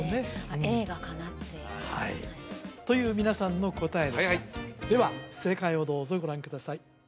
映画かなっていうはいという皆さんの答えでしたはいはいでは正解をどうぞご覧ください